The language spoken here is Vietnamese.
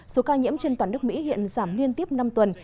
số ca nhiễm trên toàn nước mỹ hiện giảm liên tiếp năm tuần